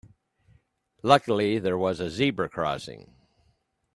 Luckily there was a zebra crossing.